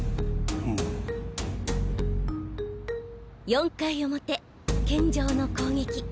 ４回表健丈の攻撃。